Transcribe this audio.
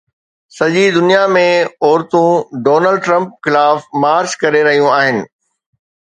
سڄي دنيا ۾ عورتون ڊونلڊ ٽرمپ خلاف مارچ ڪري رهيون آهن